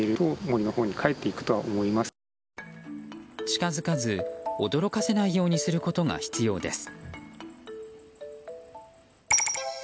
近づかず驚かせないようにすることが必要です。